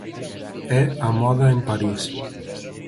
É a moda en París.